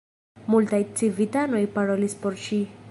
Multaj civitanoj parolis por ŝi.